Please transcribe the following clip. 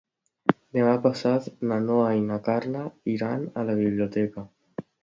Demà passat na Noa i na Carla iran a la biblioteca.